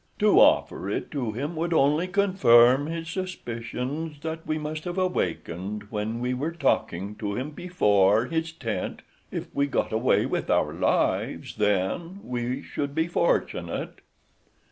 To offer it to him would only confirm his suspicions that we must have awakened when we were talking to him before his tent. If we got away with our lives, then, we should be fortunate."